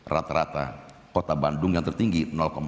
rata rata kota bandung yang tertinggi empat puluh empat